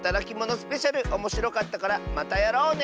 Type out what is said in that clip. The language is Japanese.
スペシャルおもしろかったからまたやろうね！